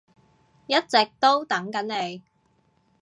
一直都等緊你